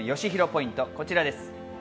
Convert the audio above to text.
ポイント、こちらです。